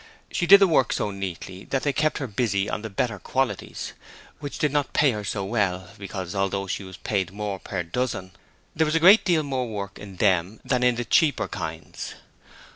She did the work so neatly that they kept her busy on the better qualities, which did not pay her so well, because although she was paid more per dozen, there was a great deal more work in them than in the cheaper kinds.